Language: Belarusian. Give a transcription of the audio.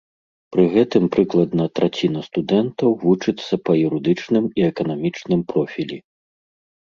Пры гэтым прыкладна траціна студэнтаў вучыцца па юрыдычным і эканамічным профілі.